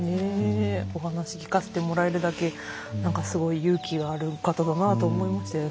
お話を聞かせてもらえるだけなんか、すごい勇気がある方だなと思いましたよね。